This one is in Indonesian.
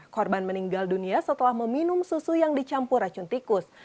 korban meninggal dunia setelah meminum susu yang dicampur racun tikus